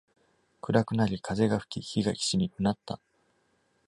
暗くなり、風が吹き、木が軋み、うなった。